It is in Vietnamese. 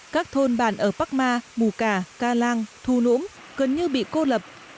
các thôn bàn ở bắc ma bù cà ca lang thu nũng gần như bị cô lập